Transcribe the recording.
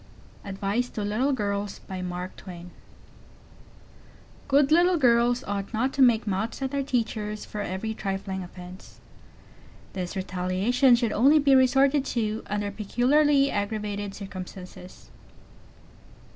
ADVICE TO LITTLE GIRLS Good little girls ought not to make mouths at their teachers for every trifling offense. This retaliation should only be resorted to under peculiarly aggravated circumstances.